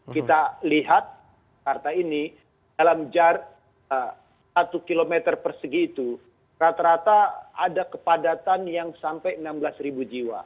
kita lihat jakarta ini dalam jar satu km persegi itu rata rata ada kepadatan yang sampai enam belas ribu jiwa